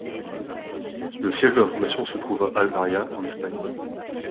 Le siège de la fondation se trouve à Almería, en Espagne.